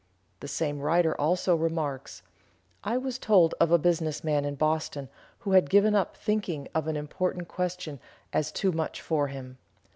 The same writer also remarks: "I was told of a business man in Boston who had given up thinking of an important question as too much for him.